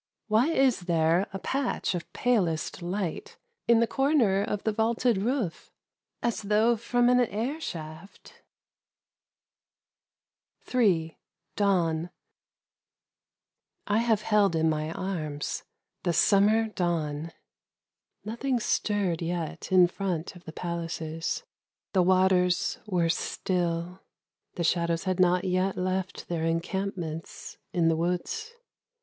Why is there a patch of palest light in the corner of the vaulted roof, as though from an air shaft ? 87 Three Prose Poems. I [II. DAWN. HAVE held m my arms the summer dawn. Nothing stirred yet in front of the palaces. The v. were still. The shadows bad not yet left their encampn in the woods.